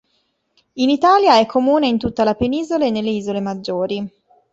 In Italia è comune in tutta la penisola e nelle isole maggiori.